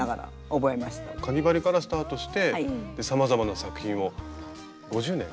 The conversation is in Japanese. かぎ針からスタートしてさまざまな作品を５０年。